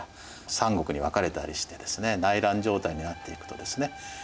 三国に分かれたりしてですね内乱状態になっていくとですね